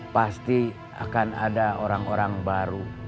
pasti akan ada orang orang baru